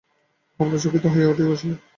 কমলা চকিত হইয়া উঠিয়া বসিল।